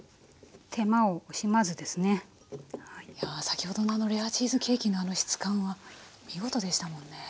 先ほどのレアチーズケーキのあの質感は見事でしたもんね。